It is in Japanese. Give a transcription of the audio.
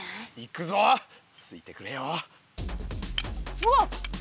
うわっ！